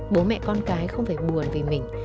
bố mẹ con cái không phải buồn vì mình